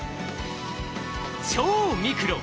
超ミクロ！